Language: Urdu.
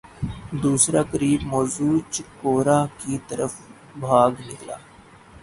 دوسرا قریب موضع چکوڑہ کی طرف بھاگ نکلا۔